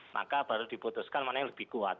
maka baru diputuskan mana yang lebih kuat